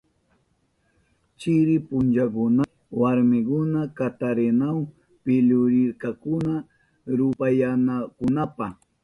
Chiri punchakunapi warmikunaka katarinawa pillurirkakuna rupayanankunapa.